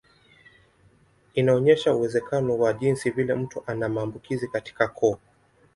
Inaonyesha uwezekano wa jinsi vile mtu ana maambukizi katika koo.